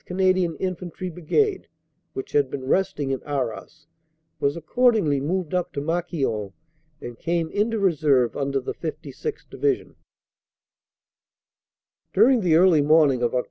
Canadian Infantry Brigade, which had been resting in Arras, was accordingly moved up 334 CANADA S HUNDRED DAYS to Marquion, and came into reserve under the 56th. Division. "During the early morning of Oct.